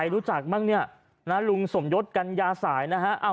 ใครรู้จักมั้งเนี่ยลุงสมยศกัลยาสายนะฮะ